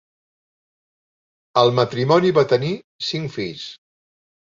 El matrimoni va tenir cinc fills.